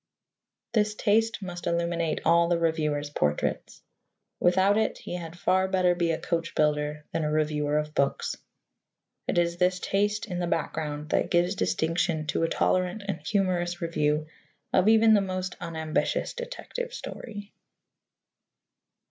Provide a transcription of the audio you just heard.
This taste must illuminate all the reviewer's portraits. Without it, he had far better be a coach builder than a reviewer of books. It is this taste in the background that gives distinction to a tolerant and humorous review of even the most unambitious detective story.